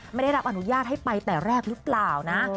ไม่ได้รับอนุญาตให้ไปแต่แรกหรือเปล่านะ